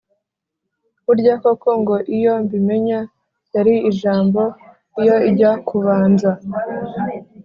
burya koko ngo iyo mbimenya yari ijambo iyo ijya kubanza